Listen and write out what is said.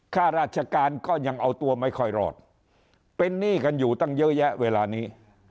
ข้าราชการก็ยังเอาตัวไม่ค่อยรอดเป็นหนี้กันอยู่ตั้งเยอะแยะเวลานี้